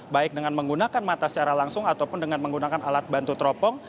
baik dengan menggunakan mata secara langsung ataupun dengan menggunakan alat bantu teropong